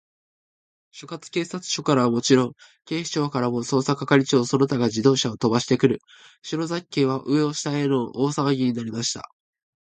所轄警察署からはもちろん、警視庁からも、捜査係長その他が自動車をとばしてくる、篠崎家は、上を下への大さわぎになりました。